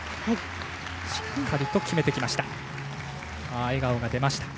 しっかりと決めてきました。